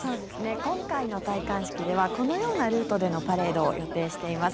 今回の戴冠式ではこのようなルートでのパレードを予定しています。